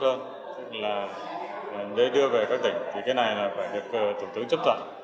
tức là để đưa về các tỉnh thì cái này là phải được thủ tướng chấp thuận